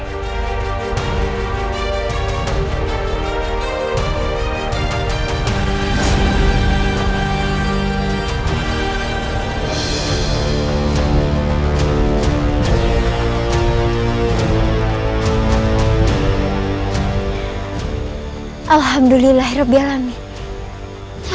nanti jadi suara rakyat kapal kuning nya